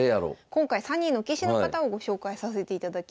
今回３人の棋士の方をご紹介させていただきます。